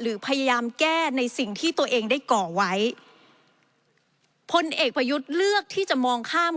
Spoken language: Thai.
หรือพยายามแก้ในสิ่งที่ตัวเองได้ก่อไว้พลเอกประยุทธ์เลือกที่จะมองข้าม